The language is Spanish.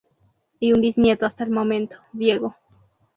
Y un bisnieto hasta el momento: Diego.